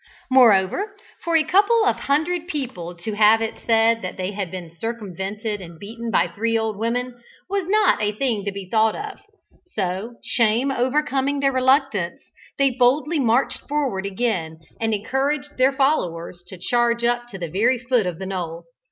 Moreover, for a couple of hundred people to have it said that they had been circumvented and beaten by three old women, was a thing not to be thought of; so, shame overcoming their reluctance, they boldly marched forward again, and encouraged their followers to charge up to the very foot of the knoll.